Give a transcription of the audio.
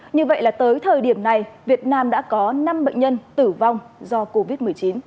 như vậy là tới thời điểm này việt nam đã có năm bệnh nhân tử vong do covid một mươi chín